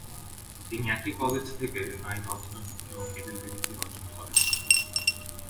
তিনি একই কলেজ থেকে আইন অধ্যয়ন এবং এলএলবি ডিগ্রী অর্জন করেন।